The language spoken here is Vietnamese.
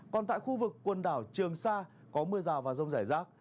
còn tại khu vực quần đảo trường sa có mưa rào và rông rải rác